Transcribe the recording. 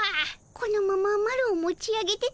このままマロを持ち上げてとんでたも。